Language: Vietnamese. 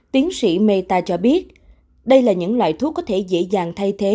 tiến sĩ meta cho biết đây là những loại thuốc có thể dễ dàng thay thế